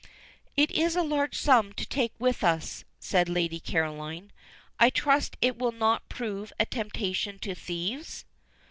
"It is a large sum to take with us," said Lady Caroline. "I trust it will not prove a temptation to thieves!"